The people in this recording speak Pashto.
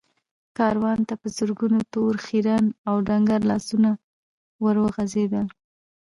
کاروان ته په زرګونو تور، خيرن او ډنګر لاسونه ور وغځېدل.